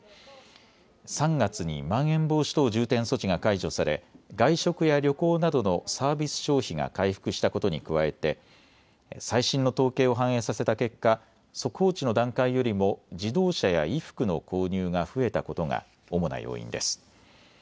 ３月にまん延防止等重点措置が解除され外食や旅行などのサービス消費が回復したことに加えて最新の統計を反映させた結果、速報値の段階よりも自動車や衣服の購入が増えたことが主な要因です。